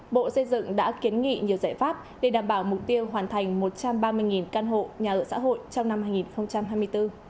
bộ xây dựng đã kiến nghị nhiều giải pháp để đảm bảo mục tiêu hoàn thành một trăm ba mươi căn hộ nhà ở xã hội trong năm hai nghìn hai mươi bốn